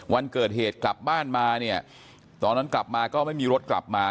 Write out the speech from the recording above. วันเกิดเหตุกลับบ้านมาเนี่ยตอนนั้นกลับมาก็ไม่มีรถกลับมา